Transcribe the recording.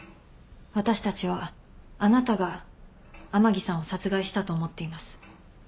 私たちはあなたが甘木さんを殺害したと思っています。